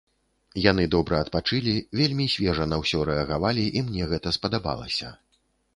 Яны добра адпачылі, вельмі свежа на ўсё рэагавалі, і мне гэта спадабалася.